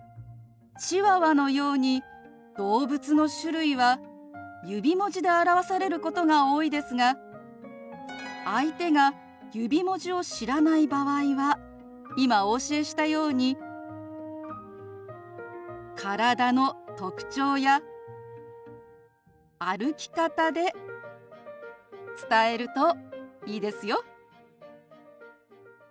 チワワのように動物の種類は指文字で表されることが多いですが相手が指文字を知らない場合は今お教えしたように体の特徴や歩き方で伝えるといいですよ。